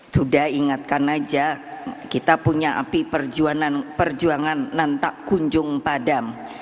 sudah ingatkan aja kita punya api perjuangan nantak kunjung padam